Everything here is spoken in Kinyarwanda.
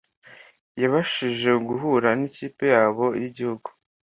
yabashije guhura n’ikipe yabo y’igihugu